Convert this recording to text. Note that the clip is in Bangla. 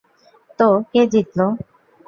তো, কে জিতল?